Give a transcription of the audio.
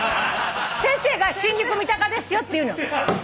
先生が「新宿三鷹ですよ」って言うの。